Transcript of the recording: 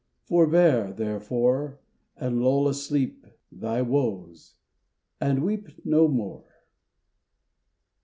Forbear, therefore, And lull asleep Thy woes, and weep No more.